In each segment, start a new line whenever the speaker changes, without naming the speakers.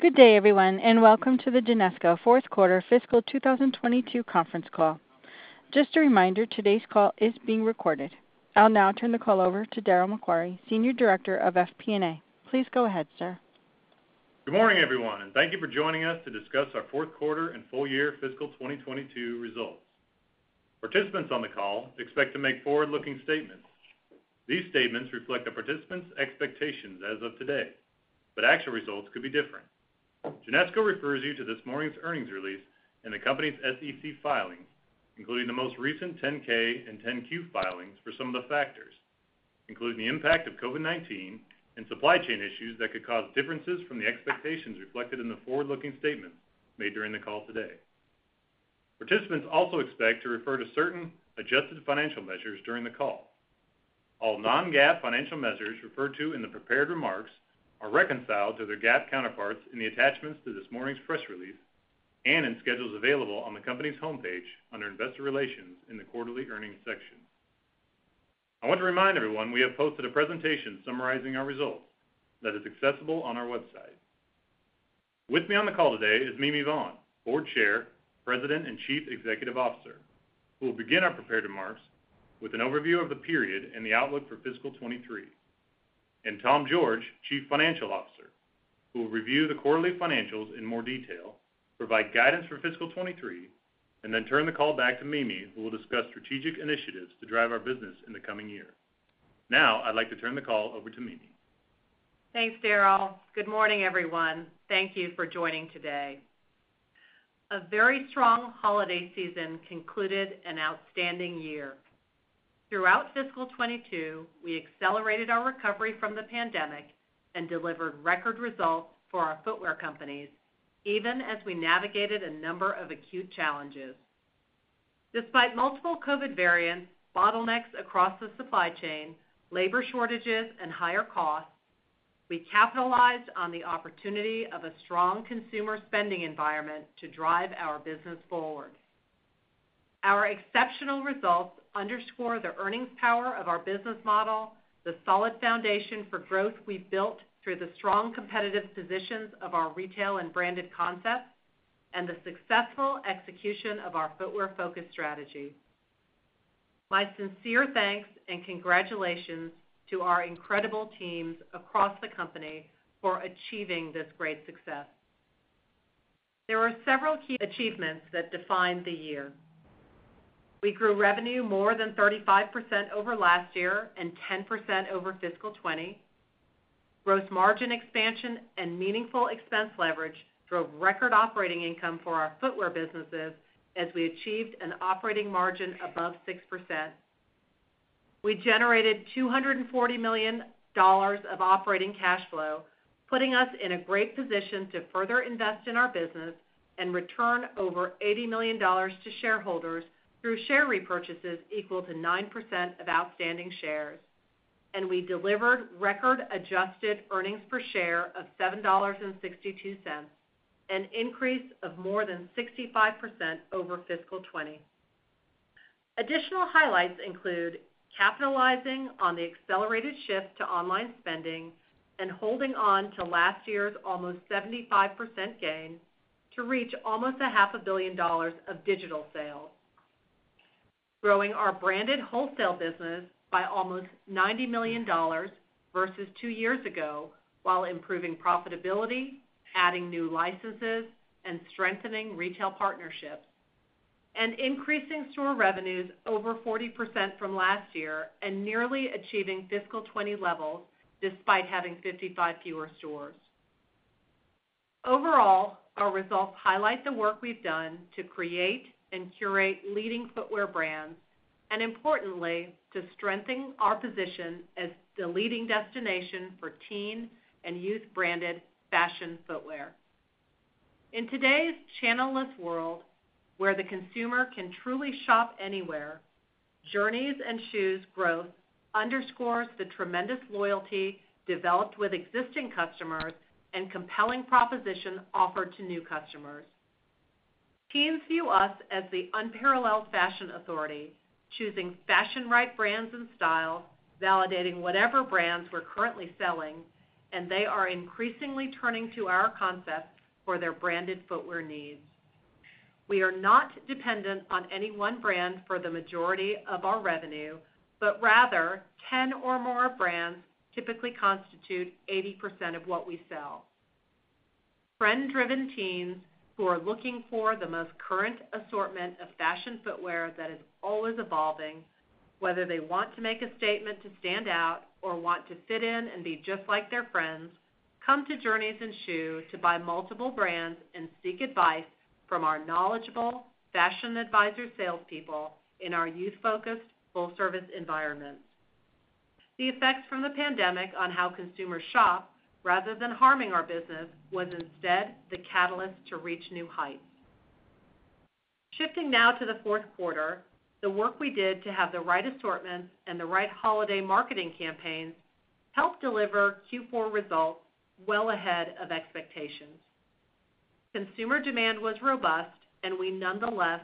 Good day, everyone, and welcome to the Genesco Q4 fiscal 2022 conference call. Just a reminder, today's call is being recorded. I'll now turn the call over to Darryl MacQuarrie, Senior Director of FP&A. Please go ahead, sir.
Good morning, everyone, and thank you for joining us to discuss our Q4 and full year fiscal 2022 results. Participants on the call expect to make forward-looking statements. These statements reflect the participants' expectations as of today, but actual results could be different. Genesco refers you to this morning's earnings release and the company's SEC filings, including the most recent 10-K and 10-Q filings for some of the factors, including the impact of COVID-19 and supply chain issues that could cause differences from the expectations reflected in the forward-looking statements made during the call today. Participants also expect to refer to certain adjusted financial measures during the call. All non-GAAP financial measures referred to in the prepared remarks are reconciled to their GAAP counterparts in the attachments to this morning's press release and in schedules available on the company's homepage under Investor Relations in the Quarterly Earnings section. I want to remind everyone we have posted a presentation summarizing our results that is accessible on our website. With me on the call today is Mimi Vaughn, Board Chair, President, and Chief Executive Officer, who will begin our prepared remarks with an overview of the period and the outlook for fiscal 2023. Tom George, Chief Financial Officer, who will review the quarterly financials in more detail, provide guidance for fiscal 2023, and then turn the call back to Mimi, who will discuss strategic initiatives to drive our business in the coming year. Now, I'd like to turn the call over to Mimi.
Thanks, Darryl. Good morning, everyone. Thank you for joining today. A very strong holiday season concluded an outstanding year. Throughout fiscal 2022, we accelerated our recovery from the pandemic and delivered record results for our footwear companies, even as we navigated a number of acute challenges. Despite multiple COVID variants, bottlenecks across the supply chain, labor shortages, and higher costs, we capitalized on the opportunity of a strong consumer spending environment to drive our business forward. Our exceptional results underscore the earnings power of our business model, the solid foundation for growth we've built through the strong competitive positions of our retail and branded concepts, and the successful execution of our footwear-focused strategy. My sincere thanks and congratulations to our incredible teams across the company for achieving this great success. There are several key achievements that defined the year. We grew revenue more than 35% over last year and 10% over fiscal 2020. Gross margin expansion and meaningful expense leverage drove record operating income for our footwear businesses as we achieved an operating margin above 6%. We generated $240 million of operating cash flow, putting us in a great position to further invest in our business and return over $80 million to shareholders through share repurchases equal to 9% of outstanding shares. We delivered record adjusted earnings per share of $7.62, an increase of more than 65% over fiscal 2020. Additional highlights include capitalizing on the accelerated shift to online spending and holding on to last year's almost 75% gain to reach almost half a billion dollars of digital sales. Growing our branded wholesale business by almost $90 million versus two years ago, while improving profitability, adding new licenses, and strengthening retail partnerships. Increasing store revenues over 40% from last year and nearly achieving fiscal 2020 levels despite having 55 fewer stores. Overall, our results highlight the work we've done to create and curate leading footwear brands, and importantly, to strengthen our position as the leading destination for teen and youth-branded fashion footwear. In today's channel-less world, where the consumer can truly shop anywhere, Journeys and Schuh's growth underscores the tremendous loyalty developed with existing customers and compelling proposition offered to new customers. Teens view us as the unparalleled fashion authority, choosing fashion right brands and style, validating whatever brands we're currently selling, and they are increasingly turning to our concepts for their branded footwear needs. We are not dependent on any one brand for the majority of our revenue, but rather 10 or more brands typically constitute 80% of what we sell. Friend-driven teens who are looking for the most current assortment of fashion footwear that is always evolving, whether they want to make a statement to stand out or want to fit in and be just like their friends, come to Journeys and Schuh to buy multiple brands and seek advice from our knowledgeable fashion advisor salespeople in our youth-focused full-service environments. The effects from the pandemic on how consumers shop, rather than harming our business, was instead the catalyst to reach new heights. Shifting now to the Q4, the work we did to have the right assortments and the right holiday marketing campaigns helped deliver Q4 results well ahead of expectations. Consumer demand was robust, and we nonetheless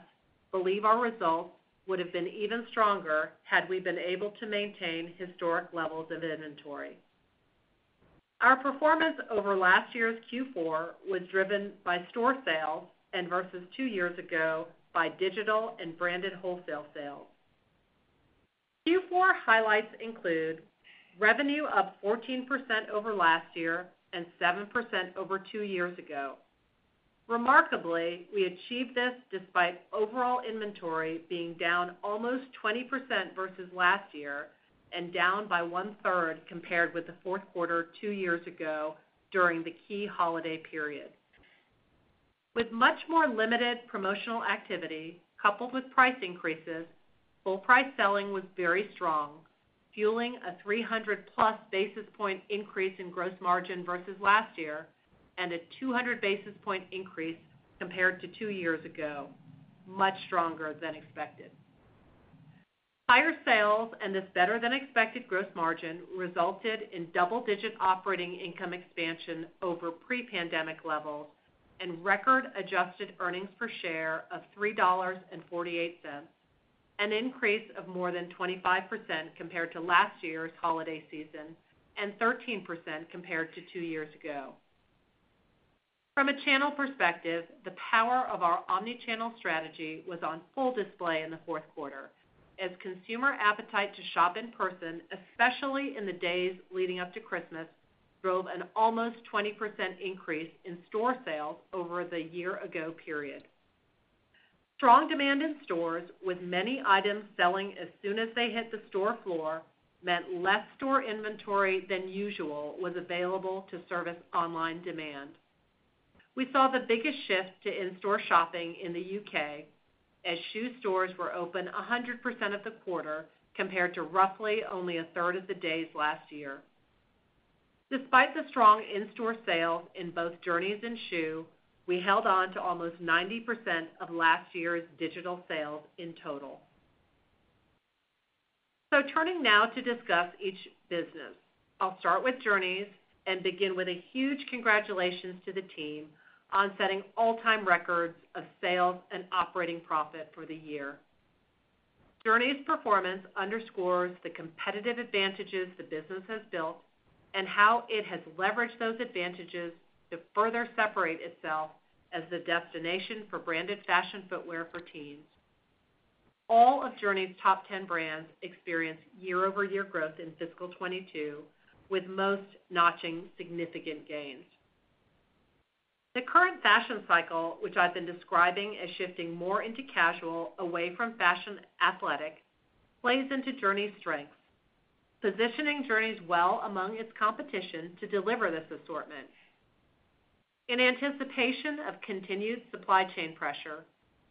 believe our results would have been even stronger had we been able to maintain historic levels of inventory. Our performance over last year's Q4 was driven by store sales, and versus two years ago, by digital and branded wholesale sales. Q4 highlights include revenue up 14% over last year and 7% over two years ago. Remarkably, we achieved this despite overall inventory being down almost 20% versus last year and down by one-third compared with the Q4 two years ago during the key holiday period. With much more limited promotional activity, coupled with price increases, full price selling was very strong, fueling a 300+ basis points increase in gross margin versus last year and a 200 basis points increase compared to two years ago, much stronger than expected. Higher sales and this better than expected gross margin resulted in double-digit operating income expansion over pre-pandemic levels and record adjusted earnings per share of $3.48, an increase of more than 25% compared to last year's holiday season and 13% compared to two years ago. From a channel perspective, the power of our omni-channel strategy was on full display in the Q4 as consumer appetite to shop in person, especially in the days leading up to Christmas, drove an almost 20% increase in store sales over the year ago period. Strong demand in stores with many items selling as soon as they hit the store floor meant less store inventory than usual was available to service online demand. We saw the biggest shift to in-store shopping in the U.K. as Schuh stores were open 100% of the quarter compared to roughly only a third of the days last year. Despite the strong in-store sales in both Journeys and Schuh, we held on to almost 90% of last year's digital sales in total. Turning now to discuss each business. I'll start with Journeys and begin with a huge congratulations to the team on setting all-time records of sales and operating profit for the year. Journeys' performance underscores the competitive advantages the business has built and how it has leveraged those advantages to further separate itself as the destination for branded fashion footwear for teens. All of Journeys's top 10 brands experienced year-over-year growth in fiscal 2022, with most notching significant gains. The current fashion cycle, which I've been describing as shifting more into casual away from fashion athletic, plays into Journeys's strengths, positioning Journeys well among its competition to deliver this assortment. In anticipation of continued supply chain pressure,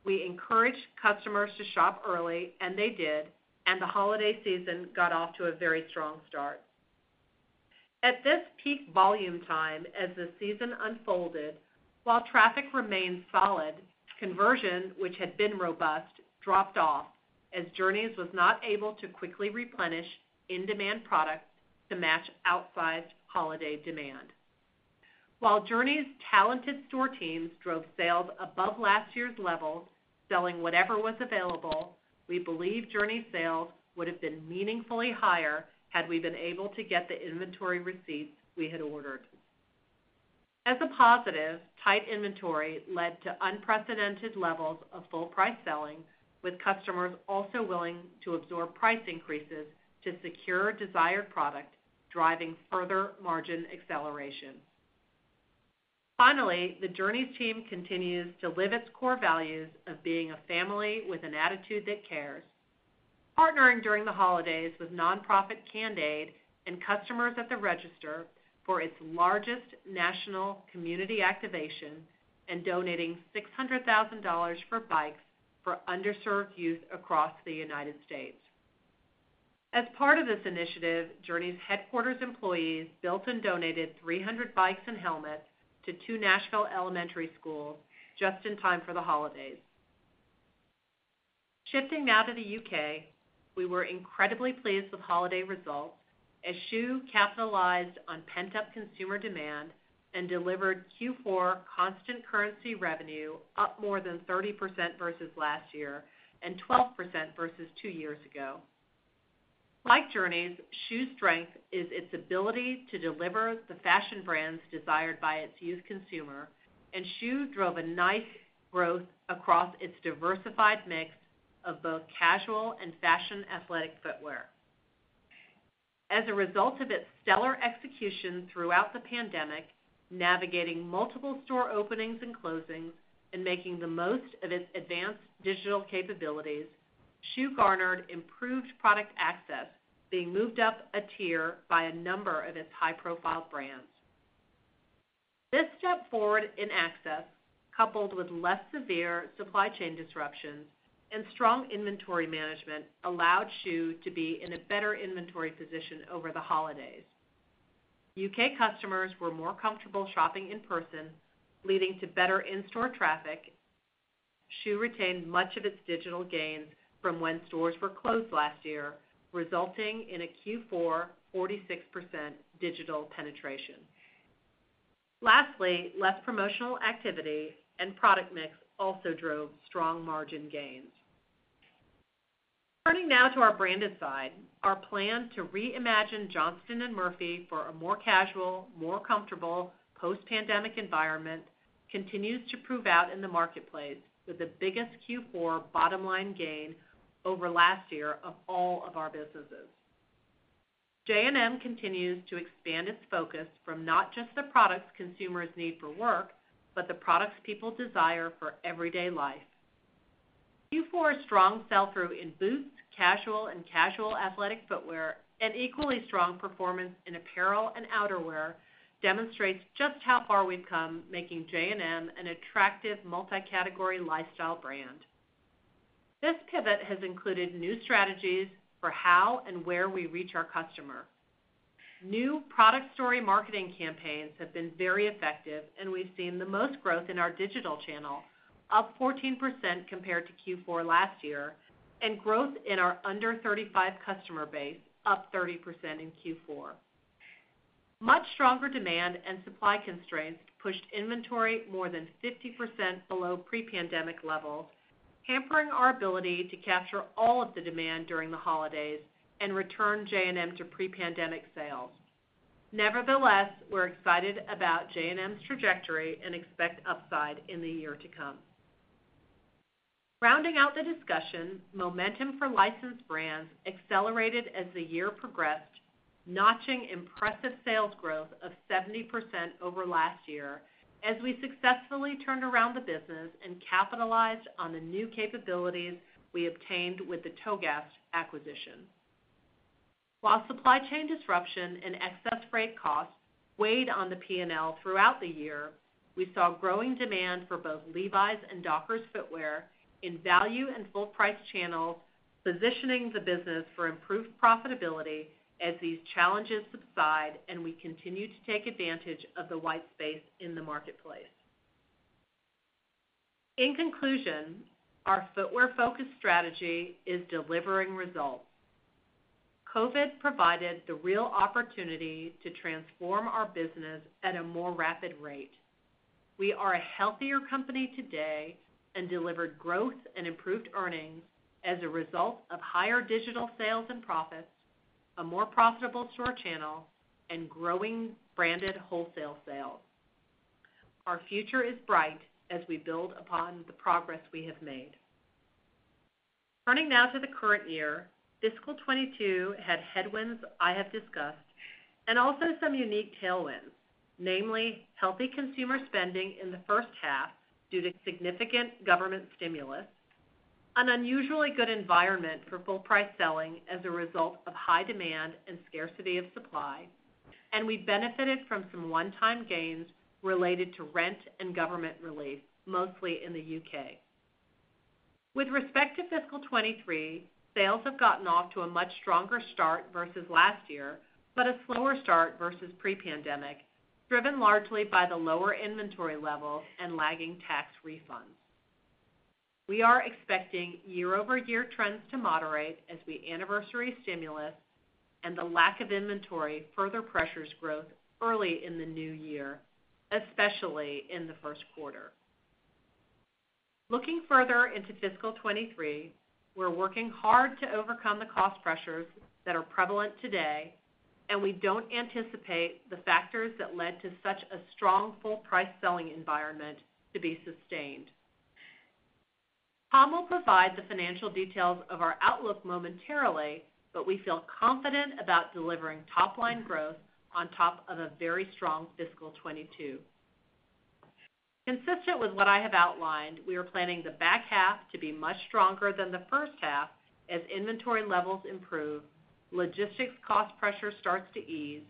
we encouraged customers to shop early, and they did, and the holiday season got off to a very strong start. At this peak volume time as the season unfolded, while traffic remained solid, conversion, which had been robust, dropped off as Journeys was not able to quickly replenish in-demand products to match outsized holiday demand. While Journeys's talented store teams drove sales above last year's levels, selling whatever was available, we believe Journeys sales would have been meaningfully higher had we been able to get the inventory receipts we had ordered. As a positive, tight inventory led to unprecedented levels of full price selling, with customers also willing to absorb price increases to secure desired product, driving further margin acceleration. Finally, the Journeys team continues to live its core values of being a family with an attitude that cares, partnering during the holidays with nonprofit Soles4Souls and customers at the register for its largest national community activation and donating $600,000 for bikes for underserved youth across the United States. As part of this initiative, Journeys' headquarters employees built and donated 300 bikes and helmets to two Nashville elementary schools just in time for the holidays. Shifting now to the U.K., we were incredibly pleased with holiday results as Schuh capitalized on pent-up consumer demand and delivered Q4 constant currency revenue up more than 30% versus last year and 12% versus two years ago. Like Journeys, Schuh's strength is its ability to deliver the fashion brands desired by its youth consumer, and Schuh drove a nice growth across its diversified mix of both casual and fashion athletic footwear. As a result of its stellar execution throughout the pandemic, navigating multiple store openings and closings, and making the most of its advanced digital capabilities, Schuh garnered improved product access, being moved up a tier by a number of its high-profile brands. This step forward in access, coupled with less severe supply chain disruptions and strong inventory management, allowed Schuh to be in a better inventory position over the holidays. U.K. customers were more comfortable shopping in person, leading to better in-store traffic. Schuh retained much of its digital gains from when stores were closed last year, resulting in a Q4 46% digital penetration. Lastly, less promotional activity and product mix also drove strong margin gains. Turning now to our branded side. Our plan to reimagine Johnston & Murphy for a more casual, more comfortable post-pandemic environment continues to prove out in the marketplace with the biggest Q4 bottom line gain over last year of all of our businesses. J&M continues to expand its focus from not just the products consumers need for work, but the products people desire for everyday life. Q4 strong sell-through in boots, casual, and casual athletic footwear, and equally strong performance in apparel and outerwear demonstrates just how far we've come, making J&M an attractive multi-category lifestyle brand. This pivot has included new strategies for how and where we reach our customer. New product story marketing campaigns have been very effective, and we've seen the most growth in our digital channel, up 14% compared to Q4 last year, and growth in our under 35 customer base up 30% in Q4. Much stronger demand and supply constraints pushed inventory more than 50% below pre-pandemic levels, hampering our ability to capture all of the demand during the holidays and return J&M to pre-pandemic sales. Nevertheless, we're excited about J&M's trajectory and expect upside in the year to come. Rounding out the discussion, momentum for licensed brands accelerated as the year progressed, notching impressive sales growth of 70% over last year as we successfully turned around the business and capitalized on the new capabilities we obtained with the Togast acquisition. While supply chain disruption and excess freight costs weighed on the P&L throughout the year, we saw growing demand for both Levi's and Dockers footwear in value and full price channels, positioning the business for improved profitability as these challenges subside, and we continue to take advantage of the white space in the marketplace. In conclusion, our footwear-focused strategy is delivering results. COVID provided the real opportunity to transform our business at a more rapid rate. We are a healthier company today and delivered growth and improved earnings as a result of higher digital sales and profits, a more profitable store channel, and growing branded wholesale sales. Our future is bright as we build upon the progress we have made. Turning now to the current year, fiscal 2022 had headwinds I have discussed and also some unique tailwinds, namely healthy consumer spending in the first half due to significant government stimulus, an unusually good environment for full price selling as a result of high demand and scarcity of supply, and we benefited from some one-time gains related to rent and government relief, mostly in the U.K. With respect to fiscal 2023, sales have gotten off to a much stronger start versus last year, but a slower start versus pre-pandemic, driven largely by the lower inventory levels and lagging tax refunds. We are expecting year-over-year trends to moderate as we anniversary stimulus and the lack of inventory further pressures growth early in the new year, especially in the Q1. Looking further into fiscal 2023, we're working hard to overcome the cost pressures that are prevalent today, and we don't anticipate the factors that led to such a strong full price selling environment to be sustained. Tom will provide the financial details of our outlook momentarily, but we feel confident about delivering top-line growth on top of a very strong fiscal 2022. Consistent with what I have outlined, we are planning the back half to be much stronger than the H1 as inventory levels improve, logistics cost pressure starts to ease,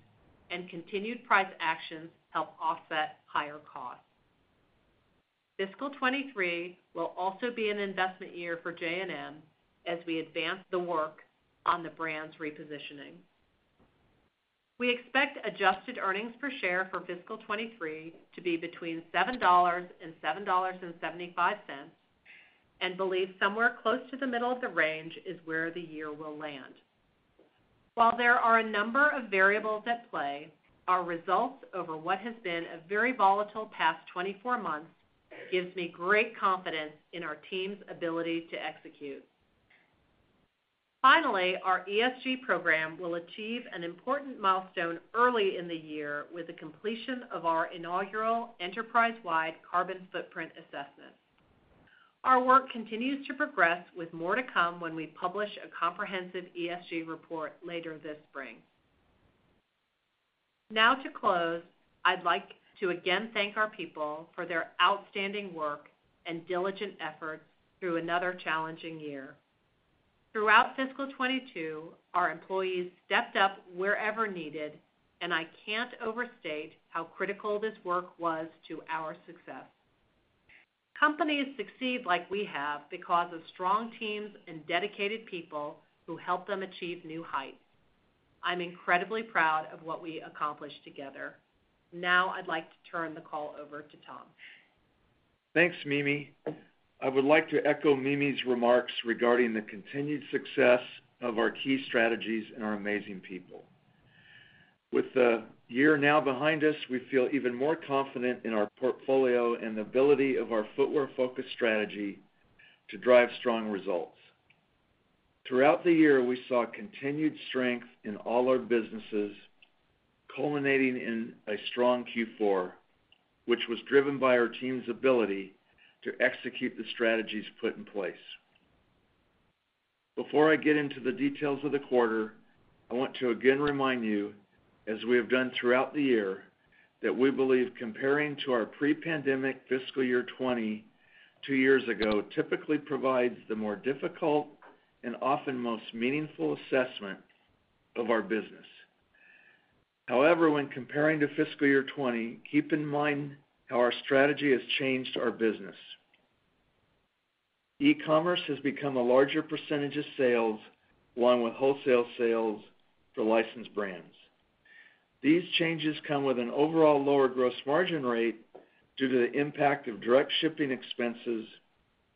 and continued price actions help offset higher costs. Fiscal 2023 will also be an investment year for J&M as we advance the work on the brand's repositioning. We expect adjusted earnings per share for fiscal 2023 to be between $7 and $7.75, and believe somewhere close to the middle of the range is where the year will land. While there are a number of variables at play, our results over what has been a very volatile past 24 months gives me great confidence in our team's ability to execute. Finally, our ESG program will achieve an important milestone early in the year with the completion of our inaugural enterprise-wide carbon footprint assessment. Our work continues to progress with more to come when we publish a comprehensive ESG report later this spring. Now to close, I'd like to again thank our people for their outstanding work and diligent effort through another challenging year. Throughout fiscal 2022, our employees stepped up wherever needed, and I can't overstate how critical this work was to our success. Companies succeed like we have because of strong teams and dedicated people who help them achieve new heights. I'm incredibly proud of what we accomplished together. Now I'd like to turn the call over to Tom.
Thanks, Mimi. I would like to echo Mimi's remarks regarding the continued success of our key strategies and our amazing people. With the year now behind us, we feel even more confident in our portfolio and the ability of our footwear-focused strategy to drive strong results. Throughout the year, we saw continued strength in all our businesses, culminating in a strong Q4, which was driven by our team's ability to execute the strategies put in place. Before I get into the details of the quarter, I want to again remind you, as we have done throughout the year, that we believe comparing to our pre-pandemic fiscal year 2022 years ago typically provides the more difficult and often most meaningful assessment of our business. However, when comparing to fiscal year 2020, keep in mind how our strategy has changed our business. e-commerce has become a larger percentage of sales, along with wholesale sales for licensed brands. These changes come with an overall lower gross margin rate due to the impact of direct shipping expenses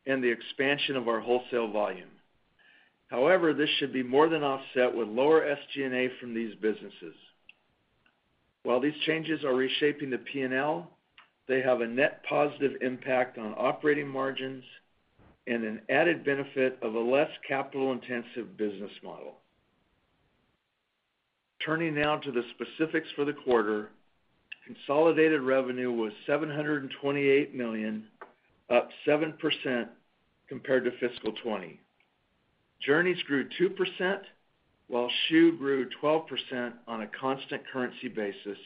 and the expansion of our wholesale volume. However, this should be more than offset with lower SG&A from these businesses. While these changes are reshaping the P&L, they have a net positive impact on operating margins and an added benefit of a less capital-intensive business model. Turning now to the specifics for the quarter, consolidated revenue was $728 million, up 7% compared to fiscal 2020. Journeys grew 2%, while Schuh grew 12% on a constant currency basis,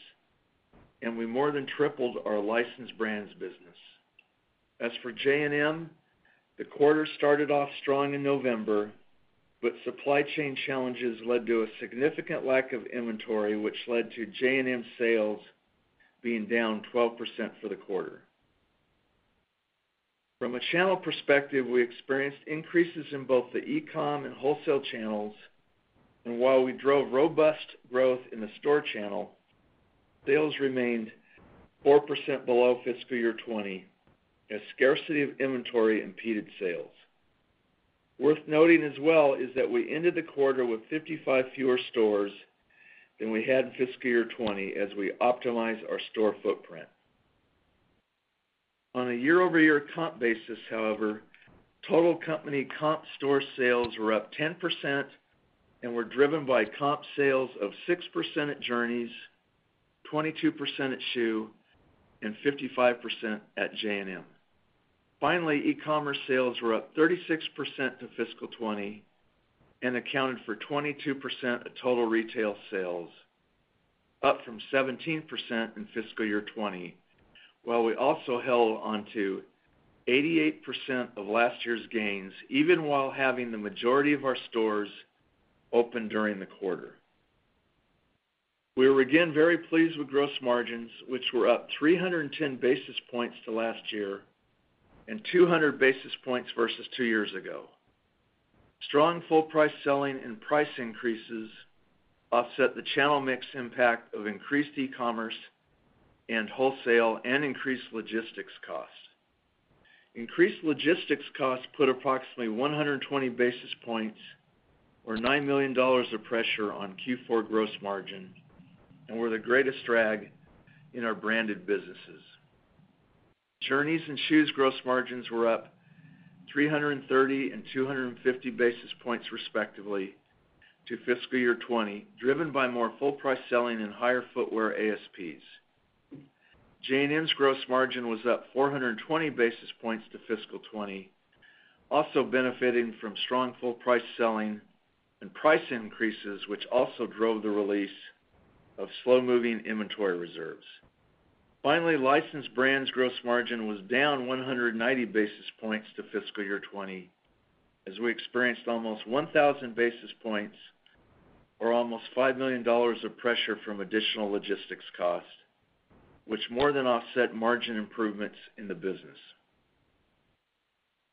and we more than tripled our licensed brands business. As for J&M, the quarter started off strong in November, but supply chain challenges led to a significant lack of inventory, which led to J&M sales being down 12% for the quarter. From a channel perspective, we experienced increases in both the e-com and wholesale channels. While we drove robust growth in the store channel, sales remained 4% below fiscal year 2020 as scarcity of inventory impeded sales. Worth noting as well is that we ended the quarter with 55 fewer stores than we had in fiscal year 2020 as we optimized our store footprint. On a year-over-year comp basis, however, total company comp store sales were up 10% and were driven by comp sales of 6% at Journeys, 22% at Schuh, and 55% at J&M. Finally, e-commerce sales were up 36% to fiscal 2020 and accounted for 22% of total retail sales, up from 17% in fiscal year 2020, while we also held on to 88% of last year's gains, even while having the majority of our stores open during the quarter. We were again very pleased with gross margins, which were up 310 basis points to last year and 200 basis points versus two years ago. Strong full price selling and price increases offset the channel mix impact of increased e-commerce and wholesale and increased logistics costs. Increased logistics costs put approximately 120 basis points or $9 million of pressure on Q4 gross margin and were the greatest drag in our branded businesses. Journeys and Schuh's gross margins were up 330 and 250 basis points, respectively, to fiscal year 2020, driven by more full price selling and higher footwear ASPs. J&M's gross margin was up 420 basis points to fiscal 2020, also benefiting from strong full price selling and price increases, which also drove the release of slow-moving inventory reserves. Finally, licensed brands' gross margin was down 190 basis points to fiscal year 2020, as we experienced almost 1,000 basis points or almost $5 million of pressure from additional logistics costs, which more than offset margin improvements in the business.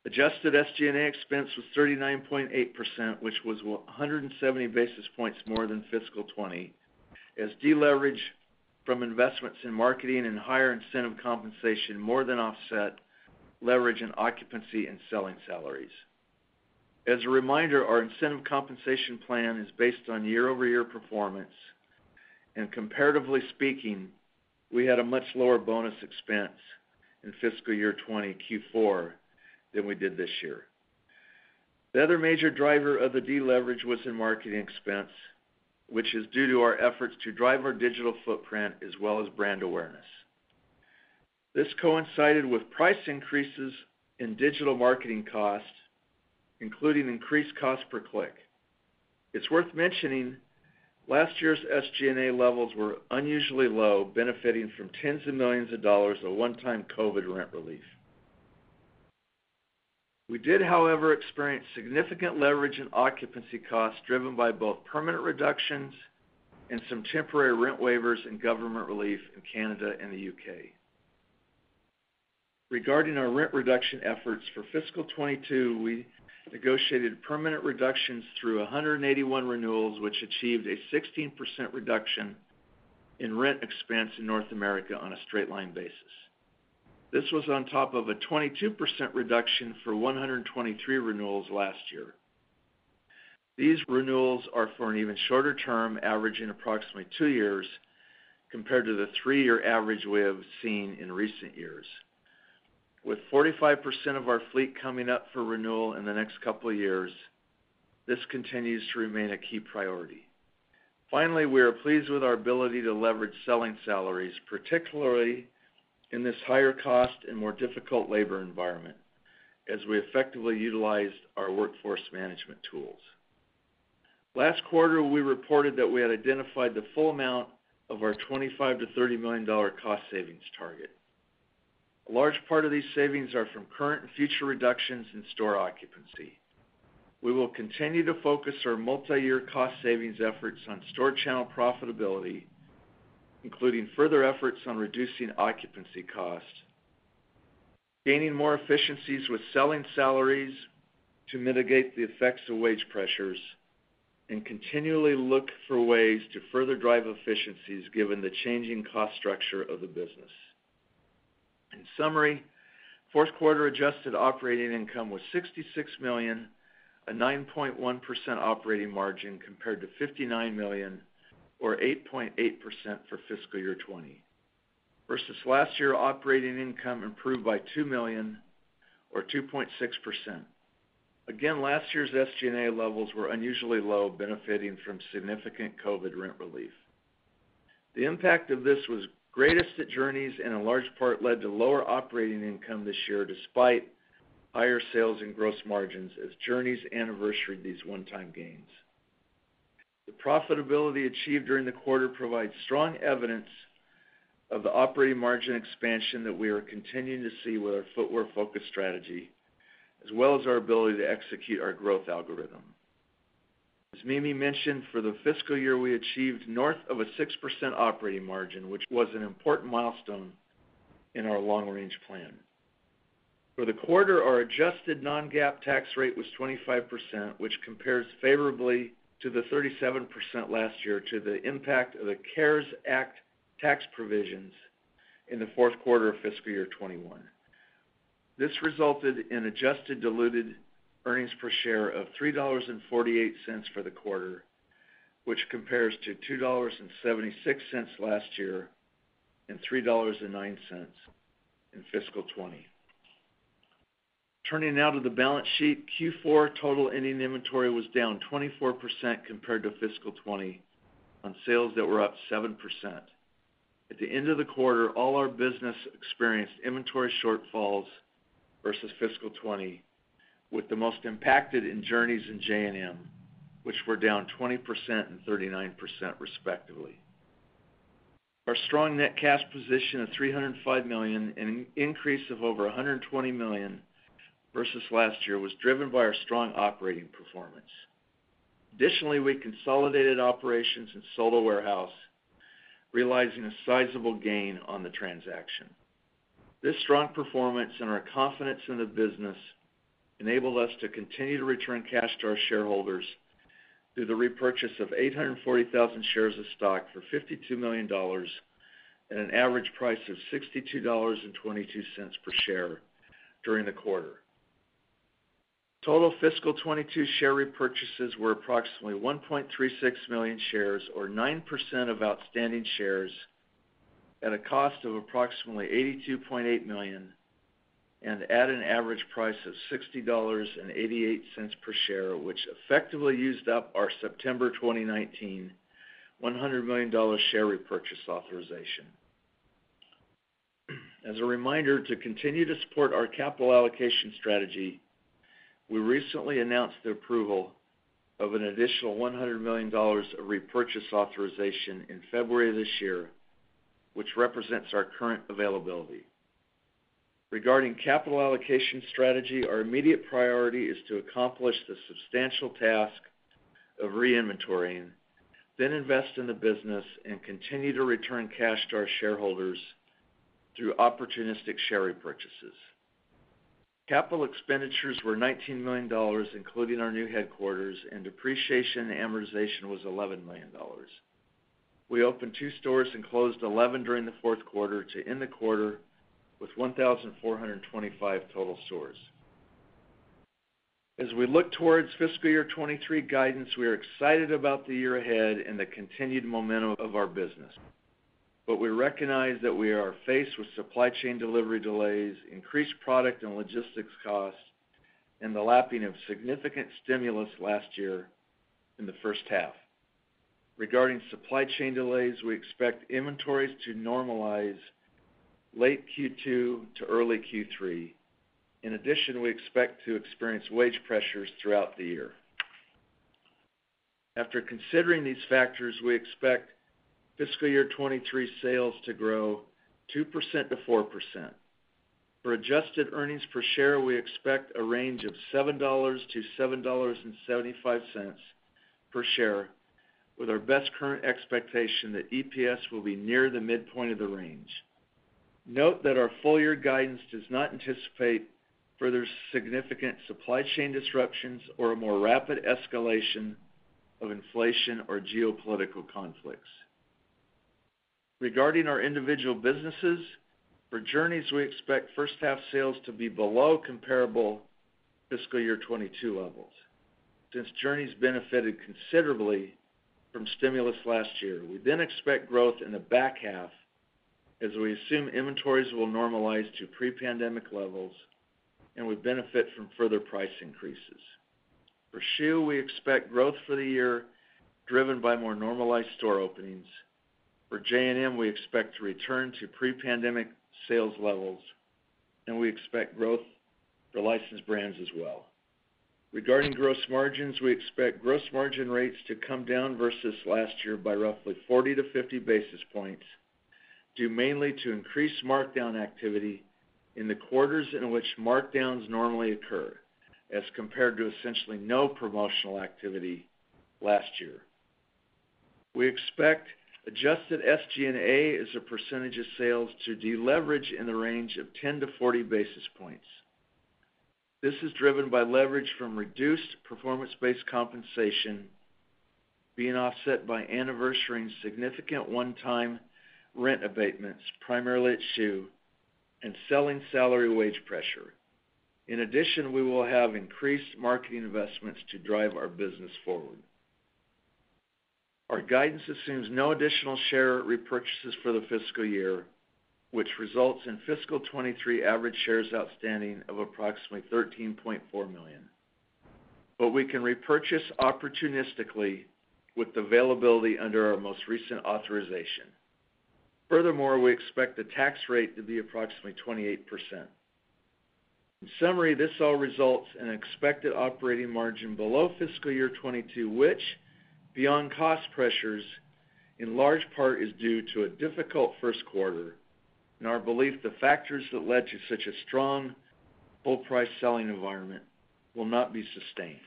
Adjusted SG&A expense was 39.8%, which was 170 basis points more than fiscal 2020, as deleverage from investments in marketing and higher incentive compensation more than offset leverage in occupancy and selling salaries. As a reminder, our incentive compensation plan is based on year-over-year performance, and comparatively speaking, we had a much lower bonus expense in fiscal year 2020 Q4 than we did this year. The other major driver of the deleverage was in marketing expense, which is due to our efforts to drive our digital footprint as well as brand awareness. This coincided with price increases in digital marketing costs, including increased cost per click. It's worth mentioning last year's SG&A levels were unusually low, benefiting from tens of millions of dollars of one-time COVID rent relief. We did, however, experience significant leverage in occupancy costs driven by both permanent reductions and some temporary rent waivers and government relief in Canada and the U.K. Regarding our rent reduction efforts for fiscal 2022, we negotiated permanent reductions through 181 renewals, which achieved a 16% reduction in rent expense in North America on a straight line basis. This was on top of a 22% reduction for 123 renewals last year. These renewals are for an even shorter term, averaging approximately two years compared to the three-year average we have seen in recent years. With 45% of our fleet coming up for renewal in the next couple of years, this continues to remain a key priority. Finally, we are pleased with our ability to leverage selling salaries, particularly in this higher cost and more difficult labor environment as we effectively utilized our workforce management tools. Last quarter, we reported that we had identified the full amount of our $25 million-$30 million cost savings target. A large part of these savings are from current and future reductions in store occupancy. We will continue to focus our multiyear cost savings efforts on store channel profitability, including further efforts on reducing occupancy costs, gaining more efficiencies with selling salaries to mitigate the effects of wage pressures, and continually look for ways to further drive efficiencies given the changing cost structure of the business. In summary, fourth quarter adjusted operating income was $66 million, a 9.1% operating margin compared to $59 million, or 8.8% for fiscal year 2020. Versus last year, operating income improved by $2 million or 2.6%. Again, last year's SG&A levels were unusually low, benefiting from significant COVID rent relief. The impact of this was greatest at Journeys and in large part led to lower operating income this year despite higher sales and gross margins as Journeys anniversaried these one-time gains. The profitability achieved during the quarter provides strong evidence of the operating margin expansion that we are continuing to see with our footwear-focused strategy, as well as our ability to execute our growth algorithm. As Mimi mentioned, for the fiscal year, we achieved north of 6% operating margin, which was an important milestone in our long-range plan. For the quarter, our adjusted non-GAAP tax rate was 25%, which compares favorably to the 37% last year due to the impact of the CARES Act tax provisions in the Q4 of fiscal year 2021. This resulted in adjusted diluted earnings per share of $3.48 for the quarter, which compares to $2.76 last year and $3.09 in fiscal 2020. Turning now to the balance sheet. Q4 total ending inventory was down 24% compared to fiscal 2020 on sales that were up 7%. At the end of the quarter, all our business experienced inventory shortfalls versus fiscal 2020, with the most impacted in Journeys and J&M, which were down 20% and 39% respectively. Our strong net cash position of $305 million, an increase of over $120 million versus last year, was driven by our strong operating performance. Additionally, we consolidated operations in Solo Warehouse, realizing a sizable gain on the transaction. This strong performance and our confidence in the business enabled us to continue to return cash to our shareholders through the repurchase of 840,000 shares of stock for $52 million at an average price of $62.22 per share during the quarter. Total fiscal 2022 share repurchases were approximately 1.36 million shares or 9% of outstanding shares at a cost of approximately $82.8 million and at an average price of $60.88 per share, which effectively used up our September 2019 $100 million share repurchase authorization. As a reminder, to continue to support our capital allocation strategy, we recently announced the approval of an additional $100 million of repurchase authorization in February of this year, which represents our current availability. Regarding capital allocation strategy, our immediate priority is to accomplish the substantial task of re-inventorying, then invest in the business and continue to return cash to our shareholders through opportunistic share repurchases. Capital expenditures were $19 million, including our new headquarters, and depreciation and amortization was $11 million. We opened two stores and closed 11 during the Q4 to end the quarter with 1,425 total stores. As we look towards fiscal year 2023 guidance, we are excited about the year ahead and the continued momentum of our business. We recognize that we are faced with supply chain delivery delays, increased product and logistics costs, and the lapping of significant stimulus last year in the H1. Regarding supply chain delays, we expect inventories to normalize late Q2 to early Q3. In addition, we expect to experience wage pressures throughout the year. After considering these factors, we expect fiscal year 2023 sales to grow 2%-4%. For adjusted earnings per share, we expect a range of $7-$7.75 per share. With our best current expectation that EPS will be near the midpoint of the range. Note that our full year guidance does not anticipate further significant supply chain disruptions or a more rapid escalation of inflation or geopolitical conflicts. Regarding our individual businesses, for Journeys, we expect H1 sales to be below comparable fiscal year 2022 levels. Since Journeys benefited considerably from stimulus last year. We expect growth in the back half as we assume inventories will normalize to pre-pandemic levels and will benefit from further price increases. For Schuh, we expect growth for the year driven by more normalized store openings. For J&M, we expect to return to pre-pandemic sales levels, and we expect growth for licensed brands as well. Regarding gross margins, we expect gross margin rates to come down versus last year by roughly 40-50 basis points, due mainly to increased markdown activity in the quarters in which markdowns normally occur, as compared to essentially no promotional activity last year. We expect adjusted SG&A as a percentage of sales to deleverage in the range of 10-40 basis points. This is driven by leverage from reduced performance-based compensation being offset by anniversarying significant one-time rent abatements, primarily at Schuh, and selling salary wage pressure. In addition, we will have increased marketing investments to drive our business forward. Our guidance assumes no additional share repurchases for the fiscal year, which results in fiscal 2023 average shares outstanding of approximately 13.4 million. We can repurchase opportunistically with availability under our most recent authorization. Furthermore, we expect the tax rate to be approximately 28%. In summary, this all results in expected operating margin below fiscal year 2022, which beyond cost pressures in large part is due to a difficult Q1. In our belief, the factors that led to such a strong full price selling environment will not be sustained.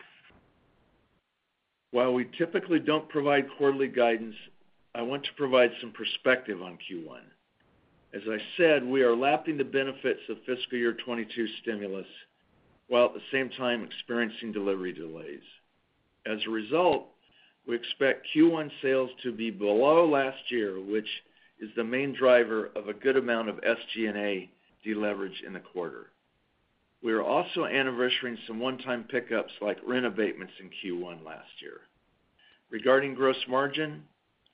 While we typically don't provide quarterly guidance, I want to provide some perspective on Q1. As I said, we are lapping the benefits of fiscal year 2022 stimulus, while at the same time experiencing delivery delays. As a result, we expect Q1 sales to be below last year, which is the main driver of a good amount of SG&A deleverage in the quarter. We are also anniversarying some one-time pickups like rent abatements in Q1 last year. Regarding gross margin,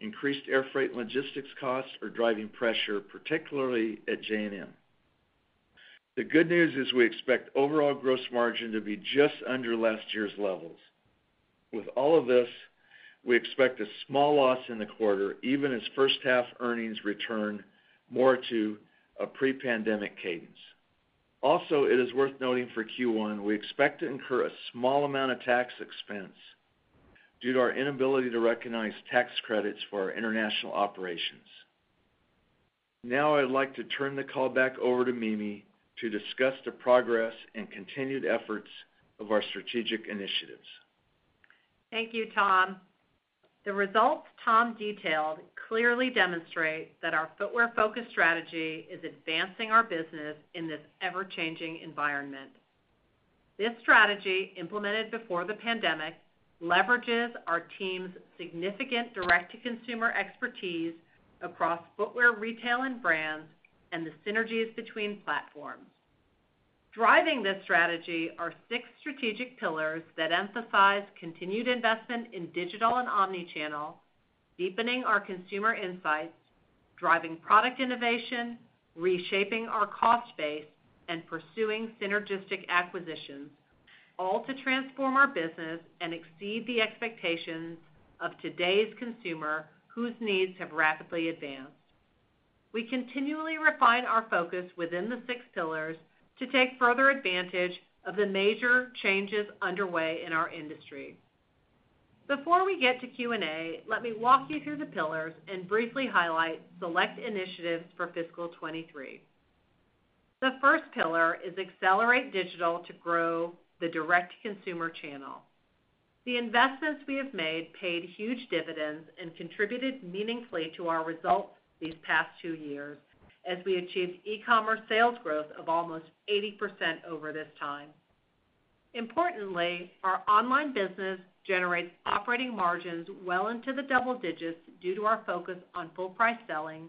increased airfreight logistics costs are driving pressure, particularly at J&M. The good news is we expect overall gross margin to be just under last year's levels. With all of this, we expect a small loss in the quarter, even as H1 earnings return more to a pre-pandemic cadence. Also, it is worth noting for Q1, we expect to incur a small amount of tax expense due to our inability to recognize tax credits for our international operations. Now I'd like to turn the call back over to Mimi to discuss the progress and continued efforts of our strategic initiatives.
Thank you, Tom. The results Tom detailed clearly demonstrate that our footwear-focused strategy is advancing our business in this ever-changing environment. This strategy, implemented before the pandemic, leverages our team's significant direct-to-consumer expertise across footwear retail and brands and the synergies between platforms. Driving this strategy are six strategic pillars that emphasize continued investment in digital and omnichannel, deepening our consumer insights, driving product innovation, reshaping our cost base, and pursuing synergistic acquisitions, all to transform our business and exceed the expectations of today's consumer whose needs have rapidly advanced. We continually refine our focus within the six pillars to take further advantage of the major changes underway in our industry. Before we get to Q&A, let me walk you through the pillars and briefly highlight select initiatives for fiscal 2023. The first pillar is accelerate digital to grow the direct-to-consumer channel. The investments we have made paid huge dividends and contributed meaningfully to our results these past two years as we achieved e-commerce sales growth of almost 80% over this time. Importantly, our online business generates operating margins well into the double digits due to our focus on full price selling,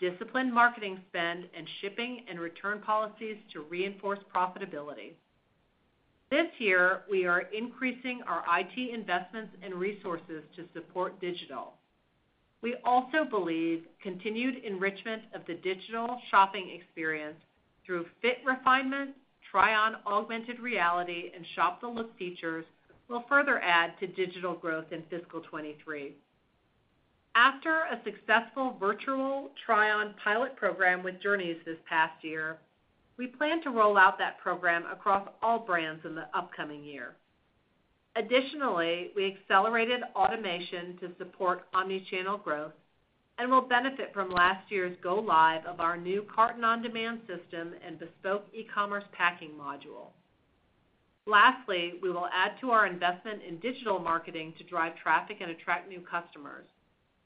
disciplined marketing spend, and shipping and return policies to reinforce profitability. This year, we are increasing our IT investments and resources to support digital. We also believe continued enrichment of the digital shopping experience through fit refinement, try-on augmented reality, and shop the look features will further add to digital growth in fiscal 2023. After a successful virtual try-on pilot program with Journeys this past year, we plan to roll out that program across all brands in the upcoming year. Additionally, we accelerated automation to support omni-channel growth and will benefit from last year's go live of our new carton on-demand system and bespoke e-commerce packing module. Lastly, we will add to our investment in digital marketing to drive traffic and attract new customers.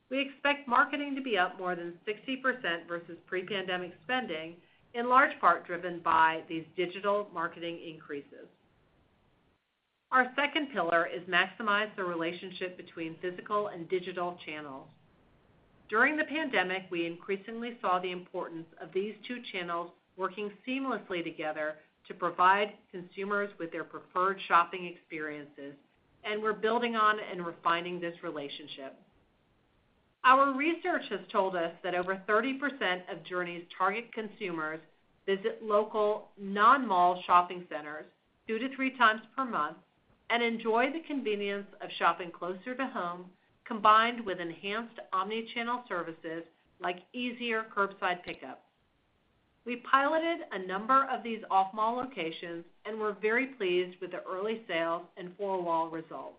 We expect marketing to be up more than 60% versus pre-pandemic spending, in large part driven by these digital marketing increases. Our second pillar is to maximize the relationship between physical and digital channels. During the pandemic, we increasingly saw the importance of these two channels working seamlessly together to provide consumers with their preferred shopping experiences, and we're building on and refining this relationship. Our research has told us that over 30% of Journeys target consumers visit local non-mall shopping centers 2 to 3 times per month and enjoy the convenience of shopping closer to home, combined with enhanced omni-channel services like easier curbside pickup. We piloted a number of these off-mall locations, and we're very pleased with the early sales and four-wall results.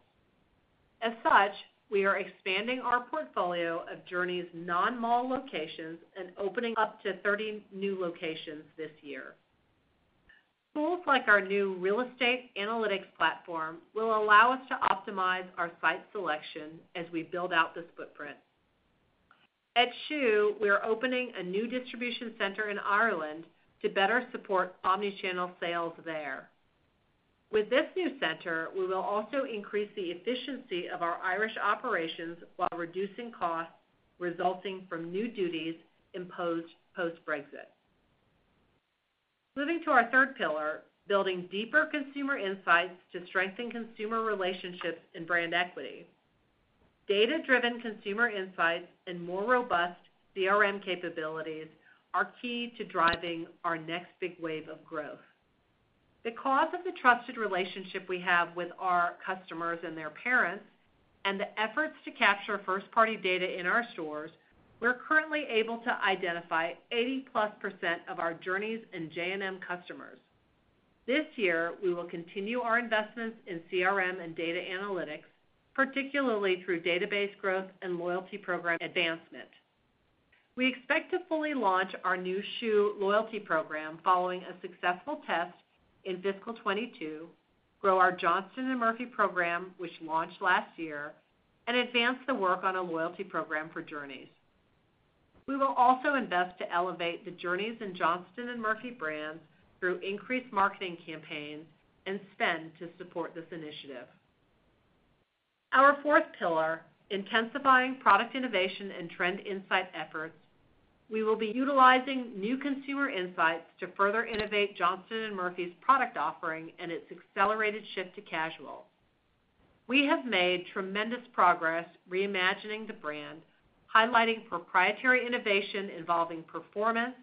As such, we are expanding our portfolio of Journeys non-mall locations and opening up to 30 new locations this year. Tools like our new real estate analytics platform will allow us to optimize our site selection as we build out this footprint. At Schuh, we are opening a new distribution center in Ireland to better support omni-channel sales there. With this new center, we will also increase the efficiency of our Irish operations while reducing costs resulting from new duties imposed post-Brexit. Moving to our third pillar, building deeper consumer insights to strengthen consumer relationships and brand equity. Data-driven consumer insights and more robust CRM capabilities are key to driving our next big wave of growth. Because of the trusted relationship we have with our customers and their parents and the efforts to capture first-party data in our stores, we're currently able to identify 80%+ of our Journeys and J&M customers. This year, we will continue our investments in CRM and data analytics, particularly through database growth and loyalty program advancement. We expect to fully launch our new Schuh loyalty program following a successful test in fiscal 2022, grow our Johnston & Murphy program, which launched last year, and advance the work on a loyalty program for Journeys. We will also invest to elevate the Journeys and Johnston & Murphy brands through increased marketing campaigns and spend to support this initiative. Our fourth pillar, intensifying product innovation and trend insight efforts, we will be utilizing new consumer insights to further innovate Johnston & Murphy's product offering and its accelerated shift to casual. We have made tremendous progress reimagining the brand, highlighting proprietary innovation involving performance,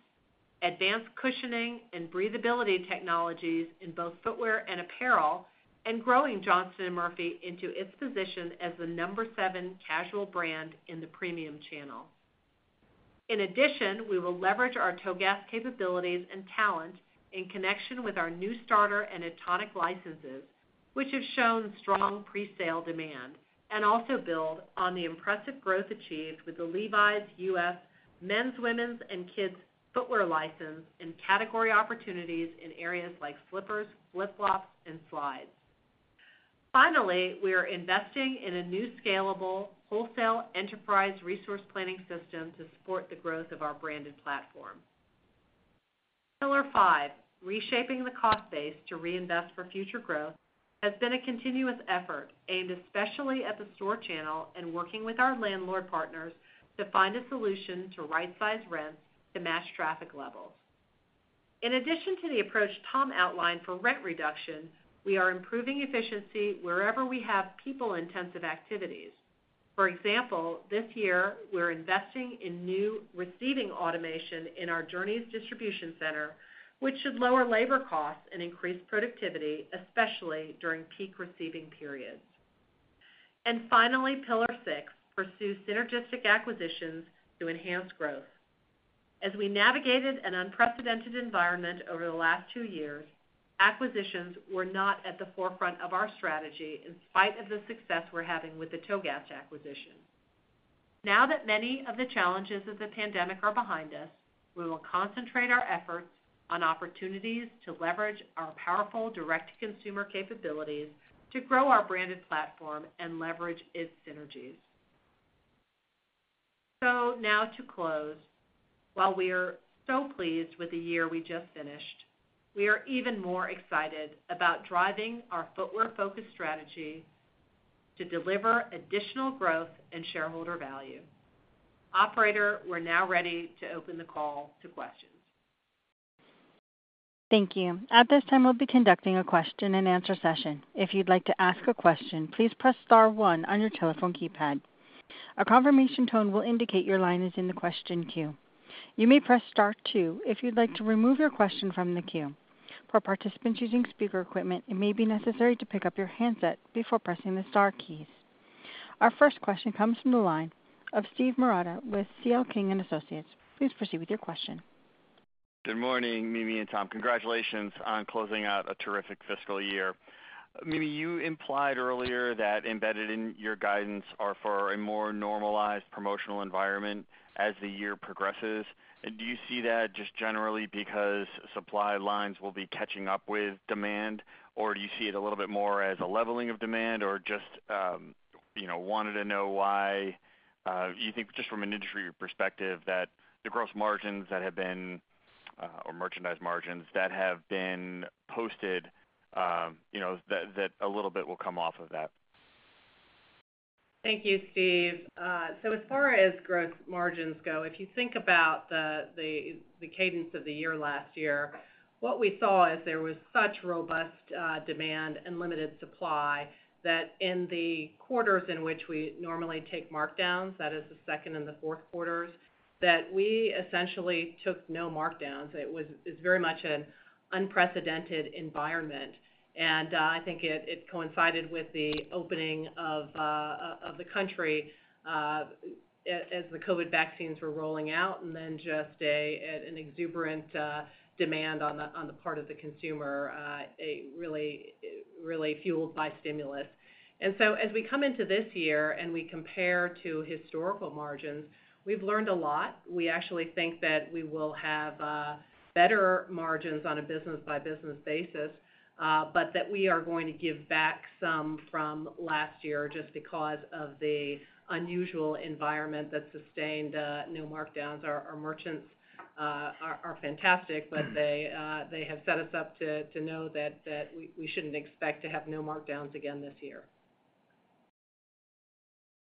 advanced cushioning, and breathability technologies in both footwear and apparel, and growing Johnston & Murphy into its position as the number 7 casual brand in the premium channel. In addition, we will leverage our Togast capabilities and talent in connection with our new Starter and Etonic licenses, which have shown strong presale demand, and also build on the impressive growth achieved with the Levi's U.S. men's, women's, and kids footwear license and category opportunities in areas like slippers, flip-flops, and slides. Finally, we are investing in a new scalable wholesale enterprise resource planning system to support the growth of our branded platform. Pillar five, reshaping the cost base to reinvest for future growth, has been a continuous effort aimed especially at the store channel and working with our landlord partners to find a solution to right-size rents to match traffic levels. In addition to the approach Tom outlined for rent reduction, we are improving efficiency wherever we have people-intensive activities. For example, this year, we're investing in new receiving automation in our Journeys distribution center, which should lower labor costs and increase productivity, especially during peak receiving periods. Finally, pillar six, pursue synergistic acquisitions to enhance growth. As we navigated an unprecedented environment over the last two years, acquisitions were not at the forefront of our strategy in spite of the success we're having with the Togast acquisition. Now that many of the challenges of the pandemic are behind us, we will concentrate our efforts on opportunities to leverage our powerful direct-to-consumer capabilities to grow our branded platform and leverage its synergies. Now to close, while we are so pleased with the year we just finished, we are even more excited about driving our footwear-focused strategy to deliver additional growth and shareholder value. Operator, we're now ready to open the call to questions.
Thank you. At this time, we'll be conducting a question-and-answer session. If you'd like to ask a question, please press star one on your telephone keypad. A confirmation tone will indicate your line is in the question queue. You may press star two if you'd like to remove your question from the queue. For participants using speaker equipment, it may be necessary to pick up your handset before pressing the star keys. Our first question comes from the line of Steve Marotta with C.L. King & Associates. Please proceed with your question.
Good morning, Mimi and Tom. Congratulations on closing out a terrific fiscal year. Mimi, you implied earlier that embedded in your guidance are for a more normalized promotional environment as the year progresses. Do you see that just generally because supply lines will be catching up with demand, or do you see it a little bit more as a leveling of demand or just wanted to know why, you think just from an industry perspective that the gross margins that have been, or merchandise margins that have been posted that a little bit will come off of that.
Thank you, Steve. So as far as gross margins go, if you think about the cadence of the year last year, what we saw is there was such robust demand and limited supply that in the quarters in which we normally take markdowns, that is the second and the Q4, that we essentially took no markdowns. It's very much an unprecedented environment. I think it coincided with the opening of the country as the COVID vaccines were rolling out and then just an exuberant demand on the part of the consumer really fueled by stimulus. As we come into this year and we compare to historical margins, we've learned a lot. We actually think that we will have better margins on a business-by-business basis, but that we are going to give back some from last year just because of the unusual environment that sustained no markdowns. Our merchants are fantastic, but they have set us up to know that we shouldn't expect to have no markdowns again this year.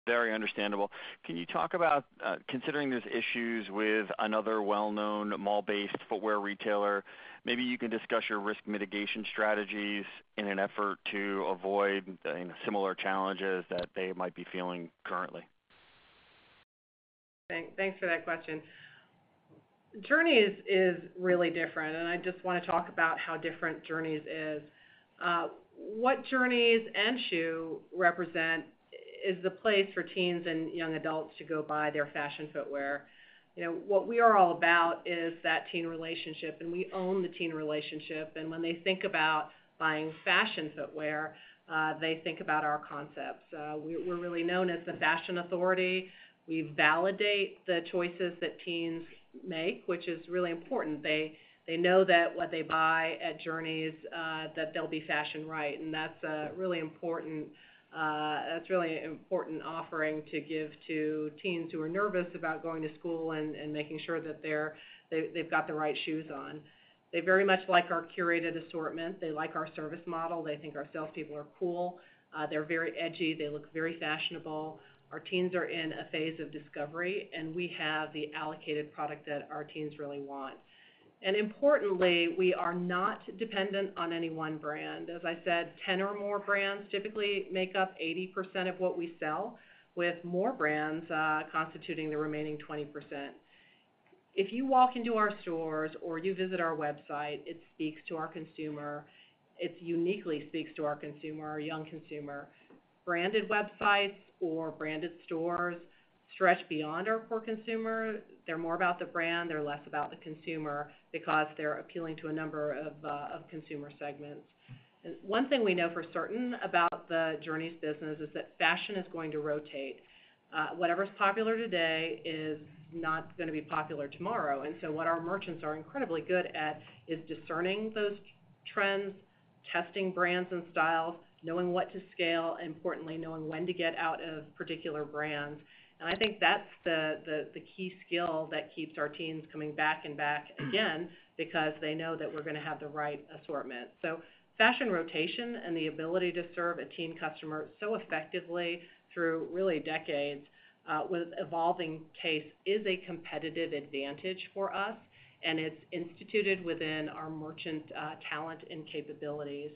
Very understandable. Can you talk about, considering there's issues with another well-known mall-based footwear retailer, maybe you can discuss your risk mitigation strategies in an effort to avoid similar challenges that they might be feeling currently.
Thanks for that question. Journeys is really different, and I just wanna talk about how different Journeys is. What Journeys and Schuh represent is the place for teens and young adults to go buy their fashion footwear. What we are all about is that teen relationship, and we own the teen relationship. When they think about buying fashion footwear, they think about our concepts. We're really known as the fashion authority. We validate the choices that teens make, which is really important. They know that what they buy at Journeys, that they'll be fashion right. That's a really important offering to give to teens who are nervous about going to school and making sure that they've got the right shoes on. They very much like our curated assortment. They like our service model. They think our sales people are cool. They're very edgy. They look very fashionable. Our teens are in a phase of discovery, and we have the allocated product that our teens really want. Importantly, we are not dependent on any one brand. As I said, 10 or more brands typically make up 80% of what we sell, with more brands constituting the remaining 20%. If you walk into our stores or you visit our website, it speaks to our consumer. It uniquely speaks to our consumer, our young consumer. Branded websites or branded stores stretch beyond our core consumer. They're more about the brand, they're less about the consumer because they're appealing to a number of consumer segments. One thing we know for certain about the Journeys business is that fashion is going to rotate. Whatever is popular today is not gonna be popular tomorrow. What our merchants are incredibly good at is discerning those trends, testing brands and styles, knowing what to scale, and importantly, knowing when to get out of particular brands. I think that's the key skill that keeps our teens coming back and back again because they know that we're gonna have the right assortment. Fashion rotation and the ability to serve a teen customer so effectively through really decades with evolving taste is a competitive advantage for us, and it's instituted within our merchant talent and capabilities.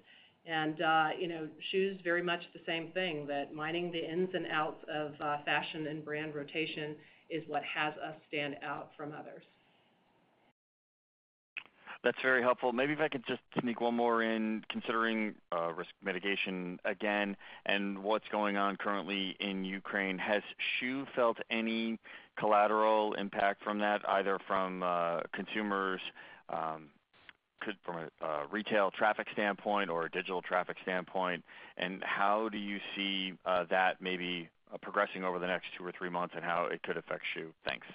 Schuh is very much the same thing, that mining the ins and outs of fashion and brand rotation is what has us stand out from others.
That's very helpful. Maybe if I could just sneak one more in considering risk mitigation again and what's going on currently in Ukraine. Has Schuh felt any collateral impact from that, either from consumers, from a retail traffic standpoint or a digital traffic standpoint? How do you see that maybe progressing over the next two or three months and how it could affect Schuh? Thanks.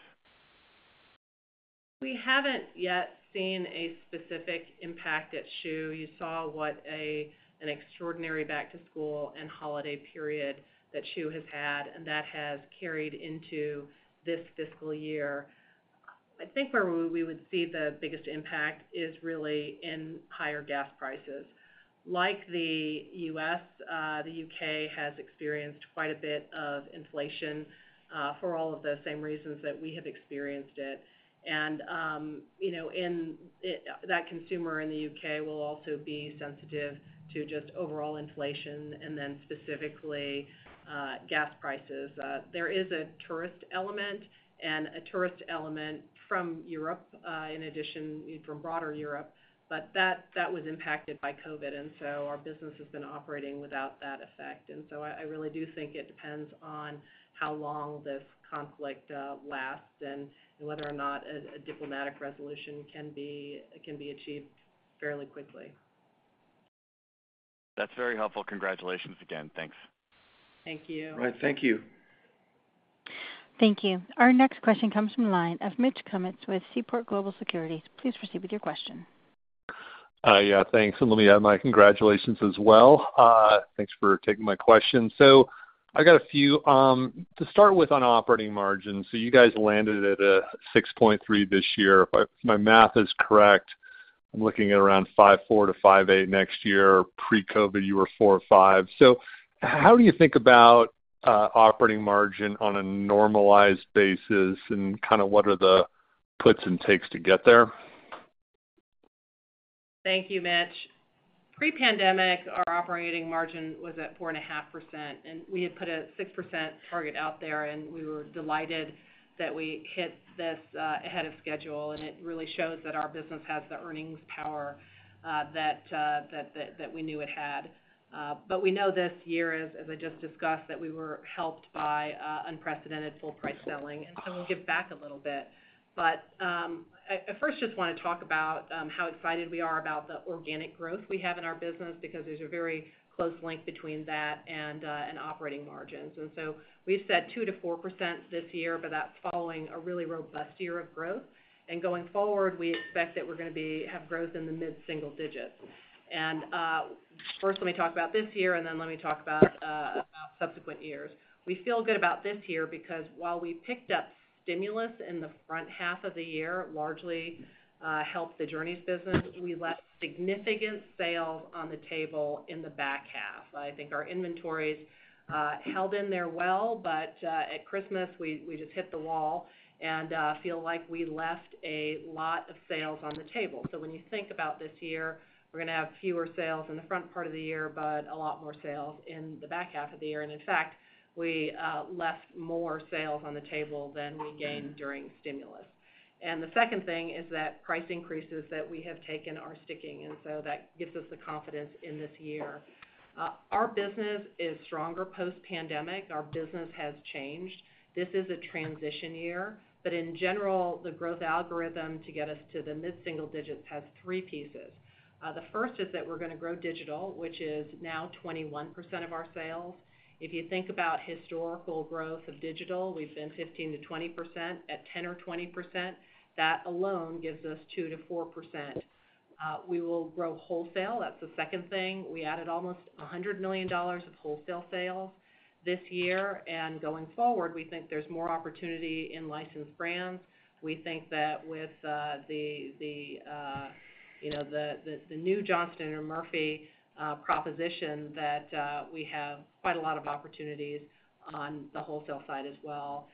We haven't yet seen a specific impact at Schuh. You saw what an extraordinary back to school and holiday period that Schuh has had, and that has carried into this fiscal year. I think where we would see the biggest impact is really in higher gas prices. Like the U.S., the U.K. has experienced quite a bit of inflation for all of the same reasons that we have experienced it. That consumer in the U.K. will also be sensitive to just overall inflation and then specifically gas prices. There is a tourist element from Europe in addition from broader Europe, but that was impacted by COVID, and so our business has been operating without that effect. I really do think it depends on how long this conflict lasts and whether or not a diplomatic resolution can be achieved fairly quickly.
That's very helpful. Congratulations again. Thanks.
Thank you.
All right. Thank you.
Thank you. Our next question comes from the line of Mitch Kummetz with Seaport Global Securities. Please proceed with your question.
Yeah, thanks. Let me add my congratulations as well. Thanks for taking my question. I got a few to start with on operating margins. You guys landed at 6.3% this year. If my math is correct, I'm looking at around 5.4%-5.8% next year. Pre-COVID, you were 4.5%. How do you think about operating margin on a normalized basis and kinda what are the puts and takes to get there?
Thank you, Mitch. Pre-pandemic, our operating margin was at 4.5%, and we had put a 6% target out there, and we were delighted that we hit this ahead of schedule. It really shows that our business has the earnings power that we knew it had. We know this year, as I just discussed, that we were helped by unprecedented full price selling, and so we'll give back a little bit. I first just wanna talk about how excited we are about the organic growth we have in our business because there's a very close link between that and operating margins. We've said 2%-4% this year, but that's following a really robust year of growth. Going forward, we expect that we're gonna have growth in the mid-single digits. First, let me talk about this year, and then let me talk about subsequent years. We feel good about this year because while we picked up stimulus in the front half of the year, largely helped the Journeys business, we left significant sales on the table in the back half. I think our inventories held in there well, but at Christmas, we just hit the wall and feel like we left a lot of sales on the table. When you think about this year, we're gonna have fewer sales in the front part of the year, but a lot more sales in the back half of the year. In fact, we left more sales on the table than we gained during stimulus. The second thing is that price increases that we have taken are sticking, and so that gives us the confidence in this year. Our business is stronger post-pandemic. Our business has changed. This is a transition year, but in general, the growth algorithm to get us to the mid-single digits has three pieces. The first is that we're gonna grow digital, which is now 21% of our sales. If you think about historical growth of digital, we've been 15%-20%. At 10% or 20%, that alone gives us 2%-4%. We will grow wholesale. That's the second thing. We added almost $100 million of wholesale sales this year. Going forward, we think there's more opportunity in licensed brands. We think that with the new Johnston & Murphy proposition that we have quite a lot of opportunities on the wholesale side as well.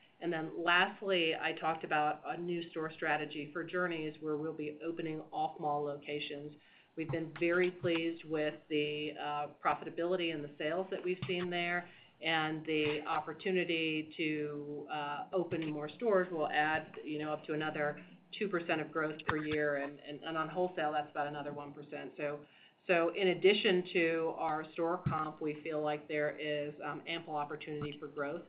Lastly, I talked about a new store strategy for Journeys, where we'll be opening off-mall locations. We've been very pleased with the profitability and the sales that we've seen there. The opportunity to open more stores will add up to another 2% of growth per year. On wholesale, that's about another 1%. In addition to our store comp, we feel like there is ample opportunity for growth.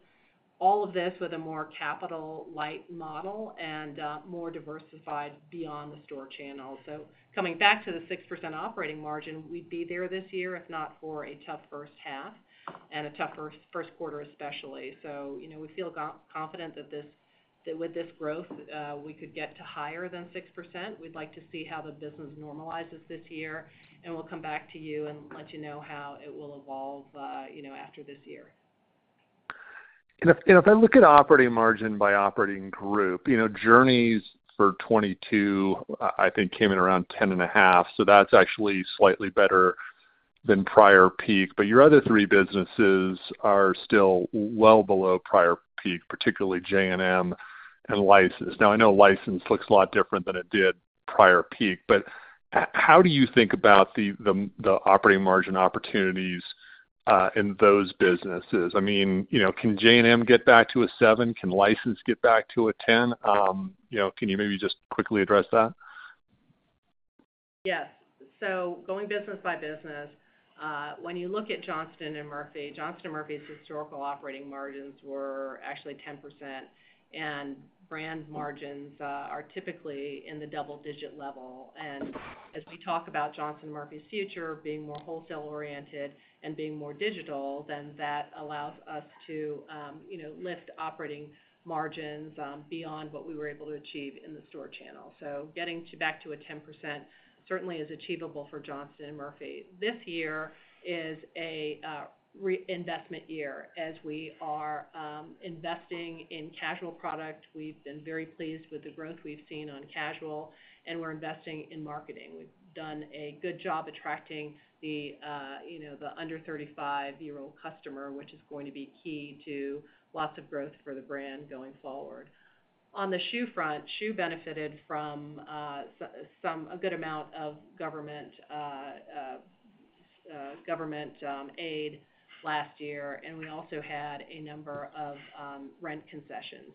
All of this with a more capital light model and more diversified beyond the store channel. Coming back to the 6% operating margin, we'd be there this year if not for a tough H1 and a tougher Q1 especially. we feel confident that with this growth, we could get to higher than 6%. We'd like to see how the business normalizes this year, and we'll come back to you and let how it will evolve after this year.
If if I look at operating margin by operating group Journeys for 2022 I think came in around 10.5%, so that's actually slightly better than prior peak. Your other three businesses are still well below prior peak, particularly J&M and License. I know License looks a lot different than it did prior peak, but how do you think about the operating margin opportunities in those businesses? I mean can J&M get back to a 7%? Can License get back to a 10%? can you maybe just quickly address that?
Yes. Going business by business, when you look at Johnston & Murphy, Johnston & Murphy's historical operating margins were actually 10%, and brand margins are typically in the double digit level. As we talk about Johnston & Murphy's future being more wholesale oriented and being more digital, then that allows us to lift operating margins beyond what we were able to achieve in the store channel. Getting back to a 10% certainly is achievable for Johnston & Murphy. This year is a re-investment year as we are investing in casual product. We've been very pleased with the growth we've seen on casual, and we're investing in marketing. We've done a good job attracting the under 35-year-old customer, which is going to be key to lots of growth for the brand going forward. On the Schuh front, Schuh benefited from a good amount of government aid last year, and we also had a number of rent concessions.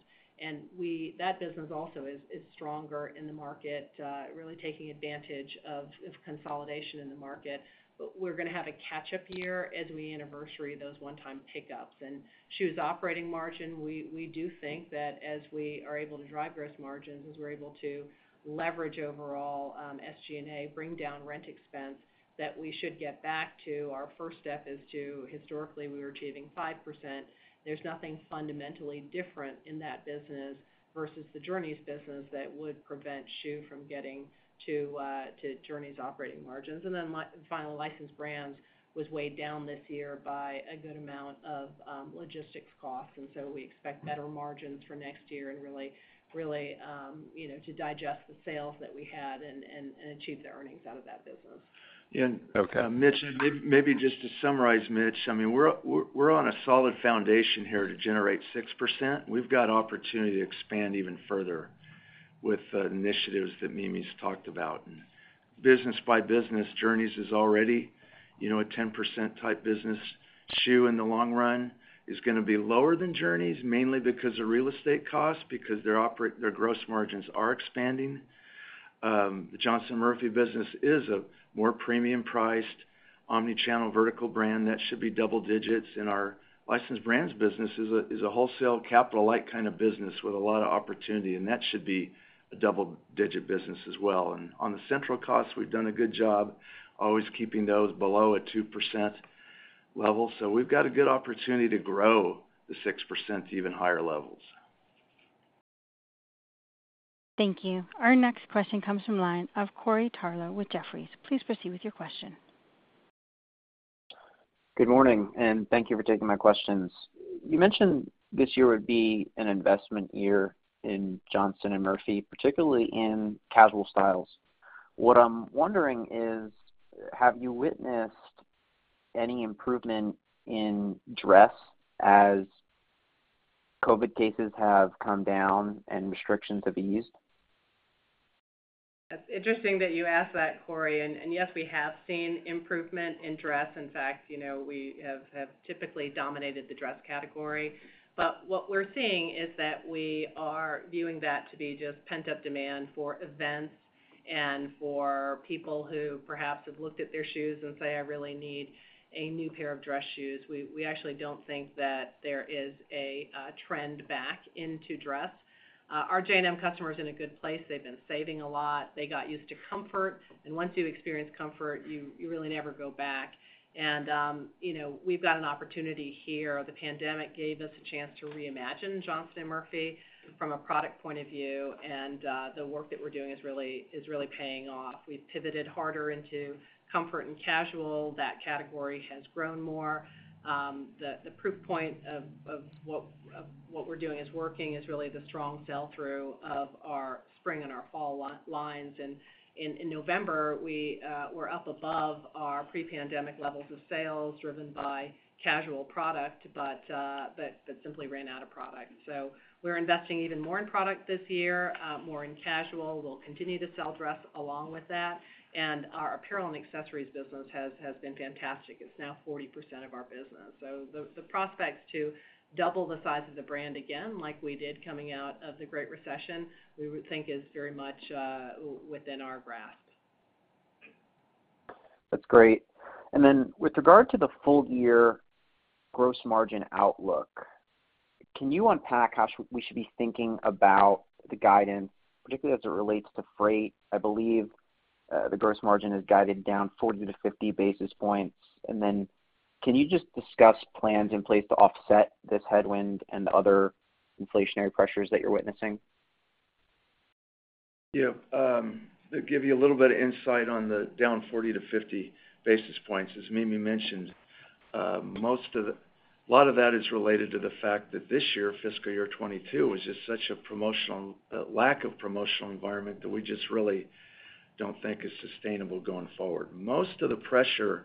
That business also is stronger in the market, really taking advantage of consolidation in the market. We're gonna have a catch-up year as we anniversary those one-time pickups. Schuh's operating margin, we do think that as we are able to drive gross margins, as we're able to leverage overall SG&A, bring down rent expense, that we should get back to. Our first step is historically, we were achieving 5%. There's nothing fundamentally different in that business versus the Journeys business that would prevent Schuh from getting to Journeys operating margins. Finally licensed brands was weighed down this year by a good amount of logistics costs, and so we expect better margins for next year and really to digest the sales that we had and achieve the earnings out of that business.
Yeah.
Okay.
Mitch, maybe just to summarize, I mean, we're on a solid foundation here to generate 6%. We've got opportunity to expand even further with initiatives that Mimi's talked about. Business by business, Journeys is already a 10% type business. Schuh, in the long run, is gonna be lower than Journeys, mainly because of real estate costs, because their gross margins are expanding. The Johnston & Murphy business is a more premium priced omni-channel vertical brand that should be double digits. Our licensed brands business is a wholesale capital light kind of business with a lot of opportunity, and that should be a double digit business as well. On the central costs, we've done a good job always keeping those below a 2% level. We've got a good opportunity to grow the 6% to even higher levels.
Thank you. Our next question comes from the line of Corey Tarlowe with Jefferies. Please proceed with your question.
Good morning, and thank you for taking my questions. You mentioned this year would be an investment year in Johnston & Murphy, particularly in casual styles. What I'm wondering is, have you witnessed any improvement in dress as COVID cases have come down and restrictions have eased?
It's interesting that you ask that, Corey. Yes, we have seen improvement in dress. In fact we have typically dominated the dress category. But what we're seeing is that we are viewing that to be just pent-up demand for events and for people who perhaps have looked at their shoes and say, "I really need a new pair of dress shoes." We actually don't think that there is a trend back into dress. Our J&M customer is in a good place. They've been saving a lot. They got used to comfort, and once you've experienced comfort, you really never go back. we've got an opportunity here. The pandemic gave us a chance to reimagine Johnston & Murphy from a product point of view, and the work that we're doing is really paying off. We've pivoted harder into comfort and casual. That category has grown more. The proof point of what we're doing is working is really the strong sell-through of our spring and our fall lines. In November, we were up above our pre-pandemic levels of sales driven by casual product, but simply ran out of product. We're investing even more in product this year, more in casual. We'll continue to sell dress along with that. Our apparel and accessories business has been fantastic. It's now 40% of our business. The prospects to double the size of the brand again, like we did coming out of the Great Recession, we would think is very much within our grasp.
That's great. With regard to the full year gross margin outlook, can you unpack how we should be thinking about the guidance, particularly as it relates to freight? I believe the gross margin is guided down 40-50 basis points. Can you just discuss plans in place to offset this headwind and the other inflationary pressures that you're witnessing?
Yeah. To give you a little bit of insight on the down 40-50 basis points, as Mimi mentioned, a lot of that is related to the fact that this year, fiscal year 2022, was just such a promotional lack of promotional environment that we just really don't think is sustainable going forward. Most of the pressure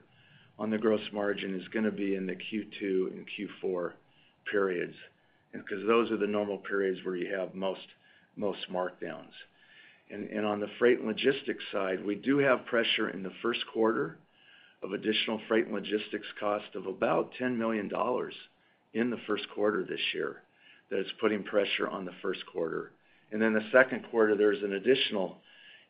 on the gross margin is gonna be in the Q2 and Q4 periods because those are the normal periods where you have most markdowns. On the freight and logistics side, we do have pressure in the Q1 of additional freight and logistics cost of about $10 million in the Q1 this year. That it's putting pressure on the Q1. In the Q2, there's an additional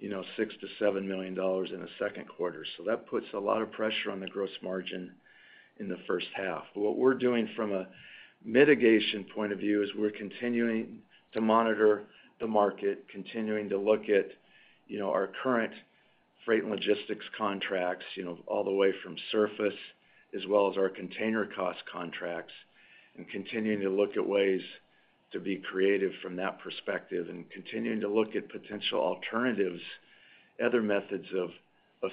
$6-$7 million in the Q2. That puts a lot of pressure on the gross margin in the H1. What we're doing from a mitigation point of view is we're continuing to monitor the market, continuing to look at our current freight and logistics contract all the way from surface as well as our container cost contracts, and continuing to look at ways to be creative from that perspective, and continuing to look at potential alternatives, other methods of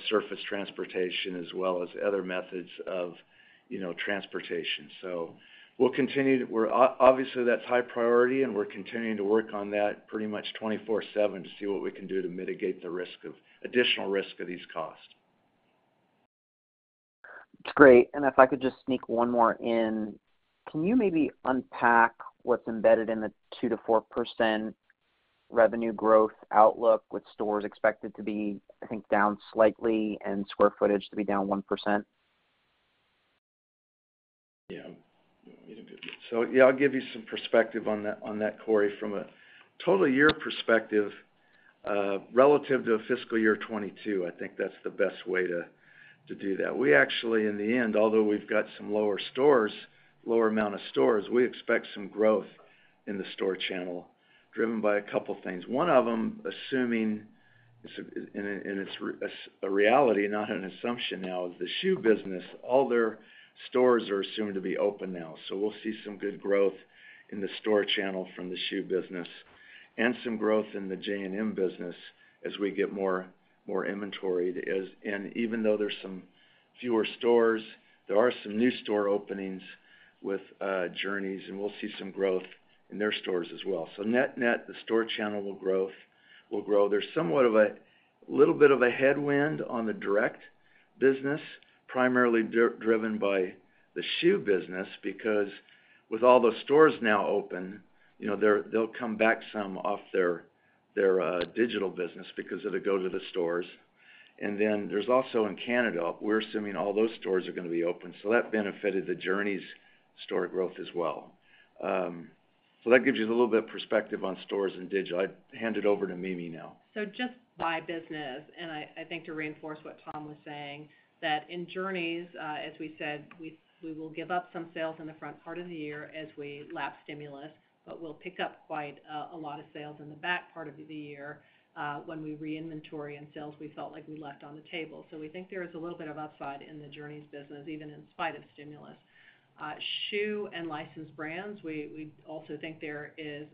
surface transportation as well as other methods of transportation. Obviously, that's high priority, and we're continuing to work on that pretty much 24/7 to see what we can do to mitigate additional risk of these costs.
That's great. If I could just sneak one more in. Can you maybe unpack what's embedded in the 2%-4% revenue growth outlook with stores expected to be, I think, down slightly and square footage to be down 1%?
Yeah. You want me to do it? Yeah, I'll give you some perspective on that, Corey. From a total year perspective, relative to fiscal year 2022, I think that's the best way to do that. We actually, in the end, although we've got some lower amount of stores, we expect some growth in the store channel. Driven by a couple things. One of them, assuming Schuh and it's a reality, not an assumption now, is the Schuh business. All their stores are assumed to be open now. We'll see some good growth in the store channel from the Schuh business and some growth in the J&M business as we get more inventoried. Even though there's some fewer stores, there are some new store openings with Journeys, and we'll see some growth in their stores as well. Net net, the store channel will grow. There's somewhat of a little bit of a headwind on the direct business, primarily driven by the shoe business, because with all the stores now open they'll come back some off their digital business because of the go to the stores. Then there's also in Canada, we're assuming all those stores are gonna be open, so that benefited the Journeys store growth as well. That gives you a little bit of perspective on stores and digital. I hand it over to Mimi now.
Just by business, I think to reinforce what Tom was saying, that in Journeys, as we said, we will give up some sales in the front part of the year as we lap stimulus, but we'll pick up quite a lot of sales in the back part of the year, when we re-inventory and sales we felt like we left on the table. We think there is a little bit of upside in the Journeys business, even in spite of stimulus. Schuh and licensed brands, we also think there is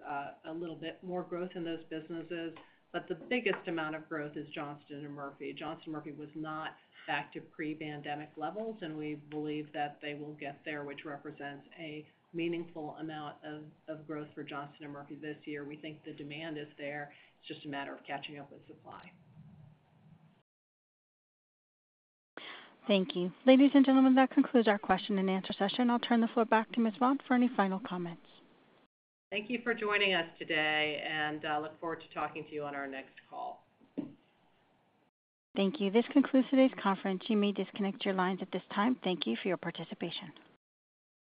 a little bit more growth in those businesses. The biggest amount of growth is Johnston & Murphy. Johnston & Murphy was not back to pre-pandemic levels, and we believe that they will get there, which represents a meaningful amount of growth for Johnston & Murphy this year. We think the demand is there. It's just a matter of catching up with supply.
Thank you. Ladies and gentlemen, that concludes our question-and-answer session. I'll turn the floor back to Ms. Vaughn for any final comments.
Thank you for joining us today, and look forward to talking to you on our next call.
Thank you. This concludes today's conference. You may disconnect your lines at this time. Thank you for your participation.